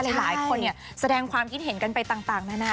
หลายคนแสดงความคิดเห็นกันไปต่างนานา